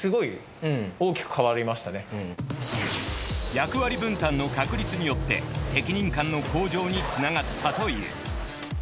役割分担の確立によって責任感の向上につながったという。